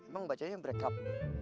emang baca aja yang break up